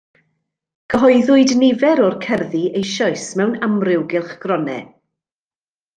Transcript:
Cyhoeddwyd nifer o'r cerddi eisoes mewn amryw gylchgronau.